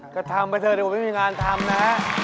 ก็ทำไปเถอะเดี๋ยวผมไม่มีงานทำนะ